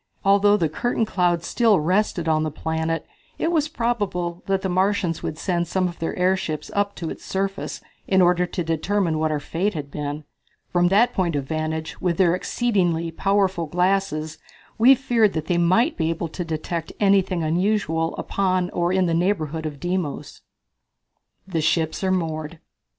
Although the cloud curtain still rested on the planet it was probable that the Martians would send some of their airships up to its surface in order to determine what our fate had been. From that point of vantage, with their exceedingly powerful glasses, we feared that they might be able to detect anything unusual upon or in the neighborhood of Deimos. The Ships are Moored.